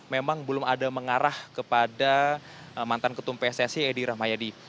memang belum ada mengarah kepada mantan ketum pssi edi rahmayadi